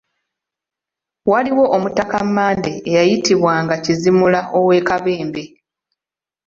Waliwo Omutaka Mmande eyayitibwanga Kizimula ow'e Kabembe.